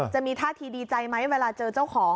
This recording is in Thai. จะมีท่าทีดีใจไหมเวลาเจอเจ้าของ